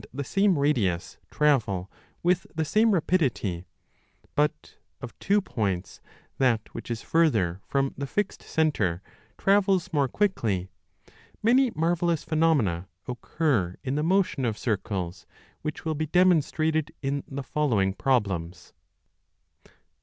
CHAPTER i 848* same radius travel with the same rapidity, but of two points that which is further from the fixed centre travels more quickly, many marvellous phenomena occur in the motions of circles, which will be demonstrated in the following problems.